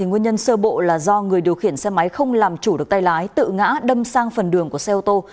nguyên nhân sơ bộ là do người điều khiển xe máy không làm chủ được tay lái tự ngã đâm sang phần đường của xe ô tô